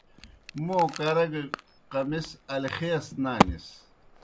موں کرہ گہ قمِص الخیس نانِس۔